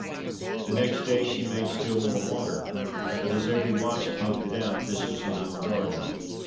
The next day she made still more water, but as every watch pumped it out, this was little regarded.